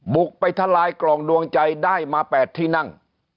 บุกไปทลายกล่องดวงใจได้มา๘ที่นั่ง